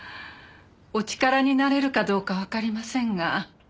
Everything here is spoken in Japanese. お力になれるかどうかわかりませんが。